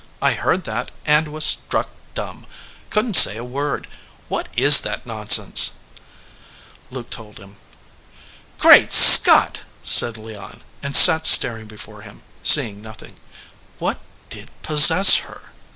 I heard that, and I was struck 175 EDGEWATER PEOPLE dumb, couldn t say a word. What is that non sense?" Luke told him. "Great Scott !" said Leon, and sat staring before him, seeing nothing. "What did possess her?"